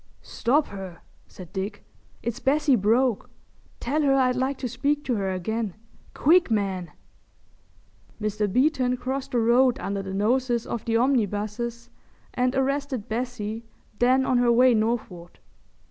"Stop her," said Dick. "It's Bessie Broke. Tell her I'd like to speak to her again. Quick, man!" Mr. Beeton crossed the road under the noses of the omnibuses and arrested Bessie then on her way northward.